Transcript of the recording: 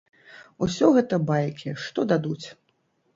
Усё гэта байкі, што дадуць.